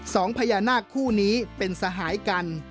สองพญานาคคู่นี้เป็นสหายกัน